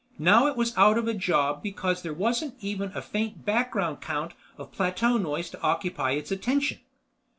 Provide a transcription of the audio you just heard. Now it was out of a job because there wasn't even a faint background count of plateau noise to occupy its attention.